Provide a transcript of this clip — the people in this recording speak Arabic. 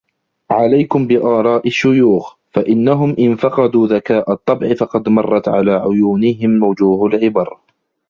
عَلَيْكُمْ بِآرَاءِ الشُّيُوخِ فَإِنَّهُمْ إنْ فَقَدُوا ذَكَاءَ الطَّبْعِ فَقَدْ مَرَّتْ عَلَى عُيُونِهِمْ وُجُوهُ الْعِبْرِ